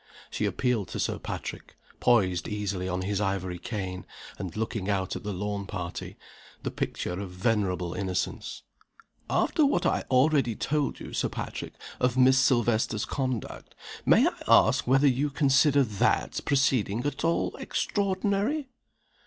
She appealed to Sir Patrick, poised easily on his ivory cane, and looking out at the lawn party, the picture of venerable innocence. "After what I have already told you, Sir Patrick, of Miss Silvester's conduct, may I ask whether you consider that proceeding at all extraordinary?"